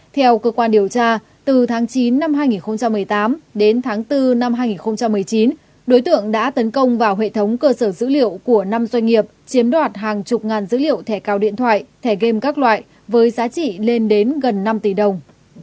theo cơ quan điều tra từ tháng chín năm hai nghìn một mươi tám đến tháng bốn năm hai nghìn một mươi chín đối tượng đã tấn công vào hệ thống cơ sở dữ liệu của năm doanh nghiệp chiếm đoạt hàng chục ngàn dữ liệu thẻ cào điện thoại thẻ game các loại với giá trị lên đến gần năm tỷ đồng